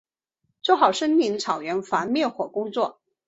做好森林草原防灭火工作